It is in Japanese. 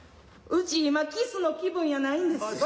うち今キスの気分やないんです。